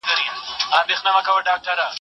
زه اوږده وخت موبایل کاروم.